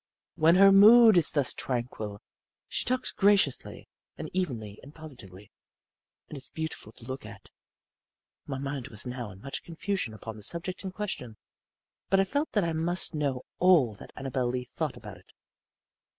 When her mood is thus tranquil, she talks graciously and evenly and positively, and is beautiful to look at. My mind was now in much confusion upon the subject in question. But I felt that I must know all that Annabel Lee thought about it.